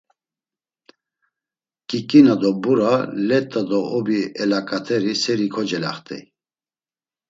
“Ǩiǩina do Mbura, Let̆a do Obi elaǩateri seri kocelaxt̆ey.”